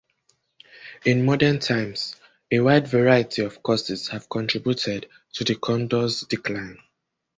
In modern times, a wide variety of causes have contributed to the condor's decline.